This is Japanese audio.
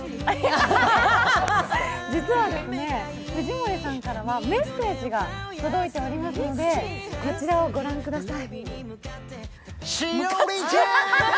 実はですね、藤森さんからはメッセージが届いておりますのでこちらをご覧ください。